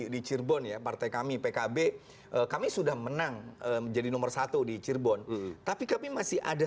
di cirebon ya partai kami pkb kami sudah menang menjadi nomor satu di cirebon tapi kami masih ada